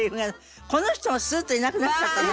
この人もスーッといなくなっちゃったの。